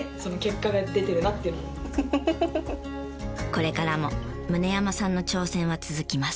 これからも宗山さんの挑戦は続きます。